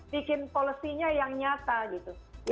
bikin policynya yang nyata gitu